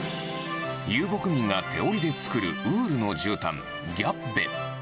遊牧民が手織りで作るウールのじゅうたん、ギャッベ。